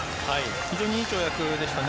非常にいい跳躍でしたね。